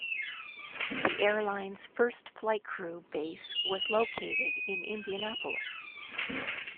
The airline's first flight crew base was located in Indianapolis.